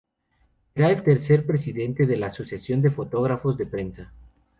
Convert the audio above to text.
Será el tercer presidente de la Asociación de fotógrafos de Prensa.